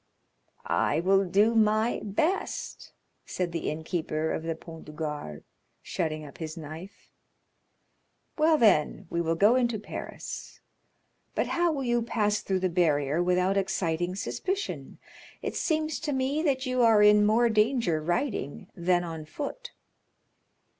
"I will do my best," said the innkeeper of the Pont du Gard, shutting up his knife. "Well, then, we will go into Paris. But how will you pass through the barrier without exciting suspicion? It seems to me that you are in more danger riding than on foot."